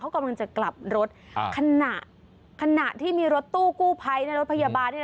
เขากำลังจะกลับรถขณะที่มีรถตู้กู้ไพร์ในรถพยาบาลนี่นะ